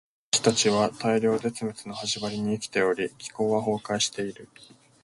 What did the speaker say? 私たちは大量絶滅の始まりに生きており、気候は崩壊している。